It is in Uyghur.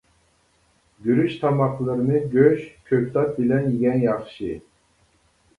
گۈرۈچ تاماقلىرىنى گۆش، كۆكتات بىلەن يېگەن ياخشى.